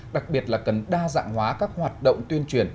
đặc biệt là cần đa dạng hóa các hoạt động tuyên truyền